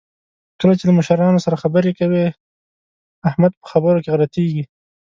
کله چې له مشرانو سره خبرې کوي، احمد په خبرو کې غلطېږي.